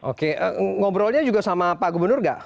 oke ngobrolnya juga sama pak gubernur nggak